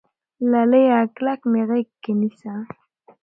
لاليه کلک مې غېږ کې نيسه